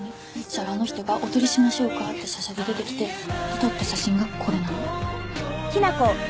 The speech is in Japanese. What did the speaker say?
そしたらあの人がお撮りしましょうか？ってしゃしゃり出てきてで撮った写真がこれなの。